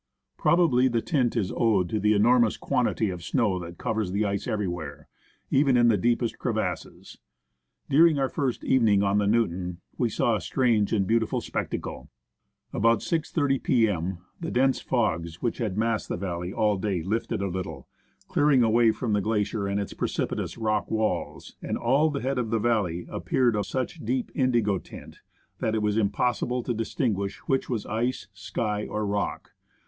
Probably the tint is owed to the enormous quantity of snow that covers the ice everywhere, even in the deepest crevasses. During ^ Vide Lieutenant Cagni's meteorological notes in Appendix B. 129 K THE ASCENT OF MOUNT ST. ELIAS our first evening on the Newton, we saw a strange and beautiful spectacle. About 6.30 p.m. the dense fogs which had masked the valley all day lifted a little, clearing away from the glacier and its precipitous rock walls, and all the head of the valley appeared of such a deep indigo tint, that it was impossible to distinguish which was ice, sky, or rock.